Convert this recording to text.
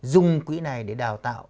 dùng quỹ này để đào tạo